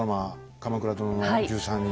「鎌倉殿の１３人」